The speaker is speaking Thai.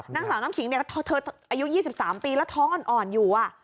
นางสาวน้ำขิงเนี่ยเธออายุ๒๓ปีแล้วท้องอ่อนอยู่